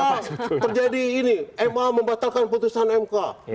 seolah olah perjadi ini ma membatalkan putusan mk